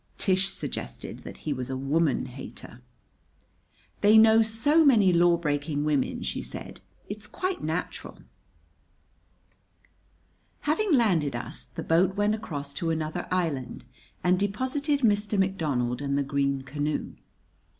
Tish suggested that he was a woman hater. "They know so many lawbreaking women," she said, "it's quite natural." Having landed us, the boat went across to another island and deposited Mr. McDonald and the green canoe.